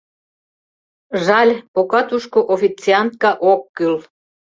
Жаль, пока тушко официантка ок кӱл.